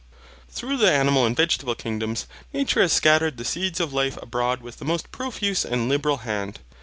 Through the animal and vegetable kingdoms, nature has scattered the seeds of life abroad with the most profuse and liberal hand.